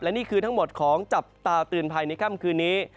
นี่คือทั้งหมดของจับตาเตือนภัยในค่ำคืนนี้